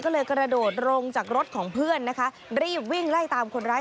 ก็เลยกระโดดลงจากรถของเพื่อนนะคะรีบวิ่งไล่ตามคนร้าย